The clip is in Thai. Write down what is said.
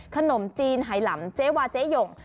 ขนมจีนไหลำเจ๊วาเจ๊หย่ง